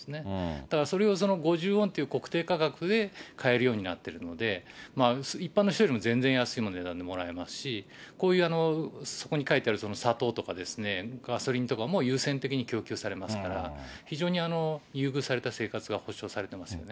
だからそれをその５０ウォンという国定価格で買えるようになってるので、一般の人よりも全然安い値段でもらえますし、こういうそこに書いてある、その砂糖とかですね、ガソリンとかも、優先的に供給されますから、非常に優遇された生活が保証されてますよね。